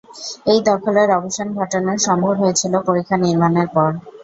এই দখলের অবসান ঘটানো সম্ভব হয়েছিল পরিখা নির্মাণের পর।